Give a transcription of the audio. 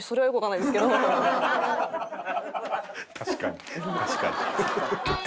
確かに確かに。